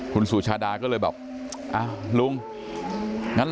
คุณสุชาดาก็เลยแบบอ้าวลุงงั้นล่ะครับ